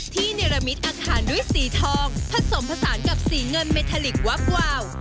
เนรมิตอาคารด้วยสีทองผสมผสานกับสีเงินเมทาลิกวับวาว